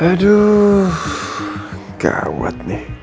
aduh gawat nih